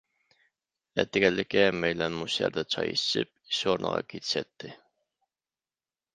ئەتىگەنلىكى ھەممەيلەن مۇشۇ يەردە چاي ئىچىشىپ ئىش ئورنىغا كېتىشەتتى.